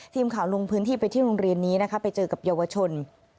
ทีมข่าวลงพื้นที่ไปที่โรงเรียนนี้นะคะไปเจอกับเยาวชน